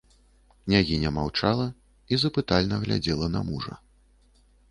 Княгіня маўчала і запытальна глядзела на мужа.